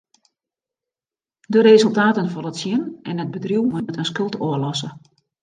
De resultaten falle tsjin en it bedriuw moat in skuld ôflosse.